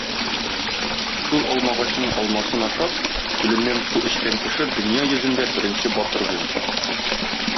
Шул алмагачның алмасын ашап, күленнән су эчкән кеше дөнья йөзендә беренче батыр булачак.